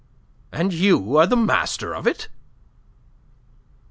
"And you are master of it?"